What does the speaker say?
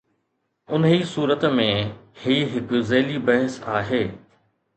انهي صورت ۾، هي هڪ ذيلي بحث آهي.